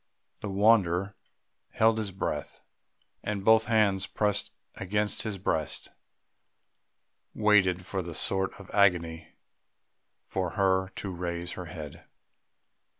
The wanderer held his breath; and, both hands pressed against his breast, waited in a sort of agony for her to raise her head.